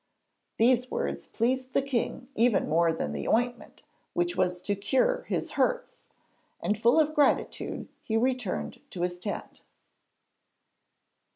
These words pleased the king even more than the ointment which was to cure his hurts; and full of gratitude he returned to his tent.